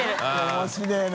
面白いな。